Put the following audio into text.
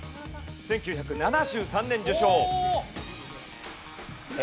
１９７３年受賞。